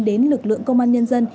đến lực lượng công an nhân dân